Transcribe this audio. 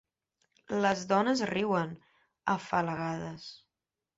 Les dones riuen, afalagades.